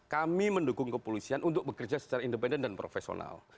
kami mendukung kepolisian untuk bekerja secara independen dan profesional